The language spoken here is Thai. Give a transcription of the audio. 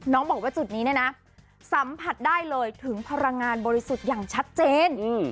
บอกว่าจุดนี้เนี่ยนะสัมผัสได้เลยถึงพลังงานบริสุทธิ์อย่างชัดเจน